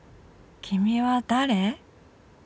君は誰？